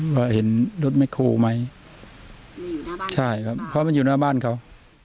ว่าเห็นรถแม่ครูไหมใช่ครับเพราะมันอยู่หน้าบ้านเขา